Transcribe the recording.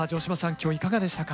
今日いかがでしたか？